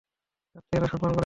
আত্মীয়রা সম্মান করে না।